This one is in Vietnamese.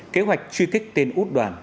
kế hoạch truy kích tên út đoàn